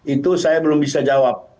itu saya belum bisa jawab